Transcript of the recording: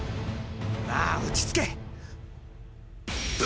まあ落ち着け！